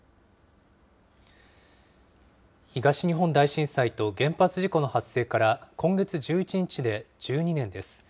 東日本大震災と原発事故の発生から今月１１日で１２年です。